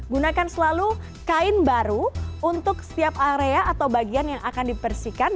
gunakan selalu kain baru untuk setiap area atau bagian yang akan dibersihkan